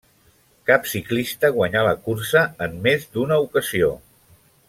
Cap ciclista guanyà la cursa en més d'una ocasió.